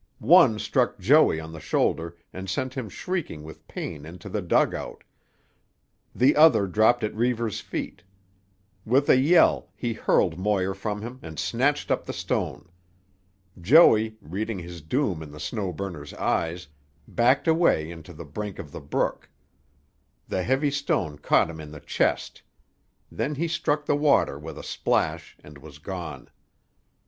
One struck Joey on the shoulder and sent him shrieking with pain into the dugout; the other dropped at Reivers' feet. With a yell he hurled Moir from him and snatched up the stone. Joey, reading his doom in the Snow Burner's eyes, backed away into the brink of the brook. The heavy stone caught him in the chest. Then he struck the water with a splash and was gone.